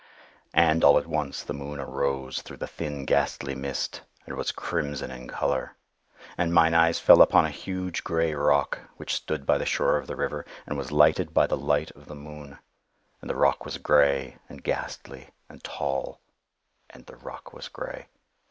"And, all at once, the moon arose through the thin ghastly mist, and was crimson in color. And mine eyes fell upon a huge gray rock which stood by the shore of the river, and was lighted by the light of the moon. And the rock was gray, and ghastly, and tall,—and the rock was gray.